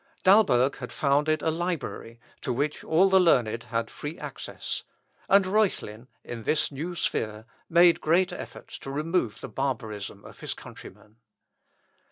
Dalberg had founded a library, to which all the learned had free access, and Reuchlin, in this new sphere, made great efforts to remove the barbarism of his countrymen.